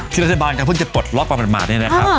ที่รัฐบาลกันเพิ่งจะปลดล็อคประมาณนี้นะครับ